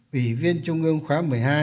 ủy viên trung ương khóa một mươi hai